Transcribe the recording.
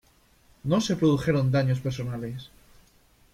No se produjeron daños personales.